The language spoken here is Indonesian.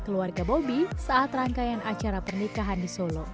keluarga bobi saat rangkaian acara pernikahan di solo